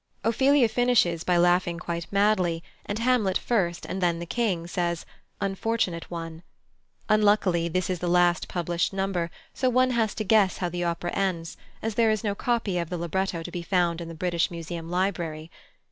Ophelia finishes by laughing quite madly, and Hamlet first, and then the King, says "Unfortunate one." Unluckily, this is the last published number, so one has to guess how the opera ends, as there is no copy of the libretto to be found in the British Museum Library.